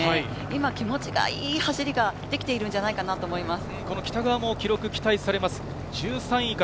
今、気持ちがいい走りができているんじゃないかなと思います。